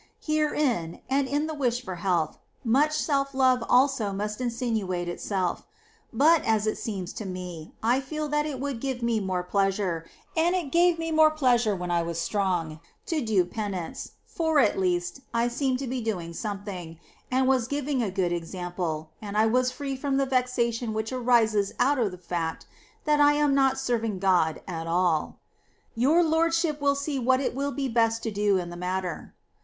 Herein, and in the wish for health, much self love also must insinuate itself; but, as it seems to me, I feel that it would give me more pleasure, and it gave me more pleasure when I was strong, to do penance, for, at least, I seemed to be doing something, and was giving a good example, and I was free from the vexation which arises out of the fact that I am not serving God at all. 1 See Inner Fortress, vii. eh. ii. I 442 S. TERESA'S RELATIONS [rEL. XI. Your Lordship will see what it will be best to do in the matter.